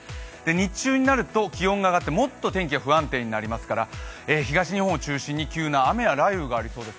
日中になると気温が上がってもっと天気が不安定になりますから東日本を中心に急な雨や雷雨ありそうです。